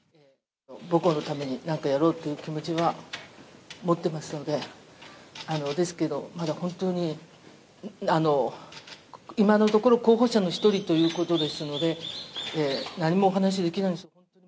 母校のために何かやろうという気持ちは持ってますので、ですけど、まだ本当に今のところ、候補者の一人ということですので、何もお話しできないんです。